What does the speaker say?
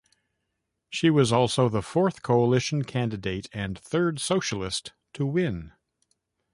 She was also the fourth Coalition candidate and third Socialist to win.